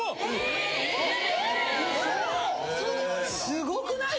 ・・すごくない？